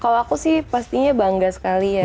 kalau aku sih pastinya bangga sekali ya